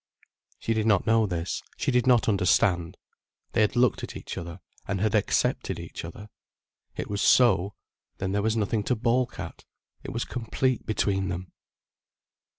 She did not know this, she did not understand. They had looked at each other, and had accepted each other. It was so, then there was nothing to balk at, it was complete between them.